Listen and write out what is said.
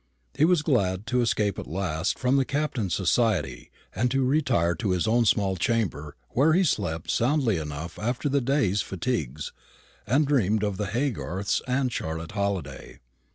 He was glad to escape at last from the Captain's society, and to retire to his own small chamber, where he slept soundly enough after the day's fatigues, and dreamed of the Haygarths and Charlotte Halliday.